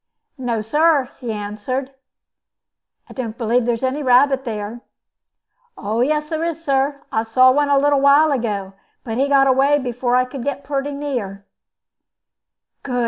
"No, sir," he answered. "I don't believe there's any rabbit there." "Yes, there is, sir; I saw one a little while ago, but he got away before I could get pretty near." "Good!"